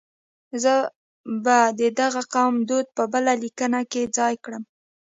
زه به د دغه قوم دود په بله لیکنه کې ځای کړم.